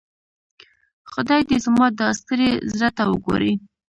خدای دي زما دا ستړي زړۀ ته وګوري.